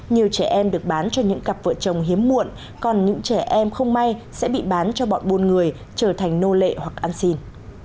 nhiều trẻ em được bán cho những cặp vợ chồng hiếm muộn còn những trẻ em không may sẽ bị bán cho bọn buôn người trở thành nô lệ hoặc ăn xin